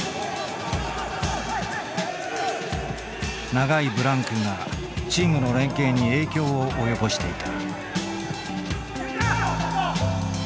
長いブランクがチームの連携に影響を及ぼしていた。